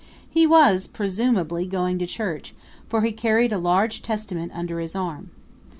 He was presumably going to church, for he carried a large Testament under his arm.